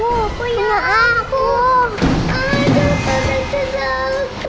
aduh tante sedang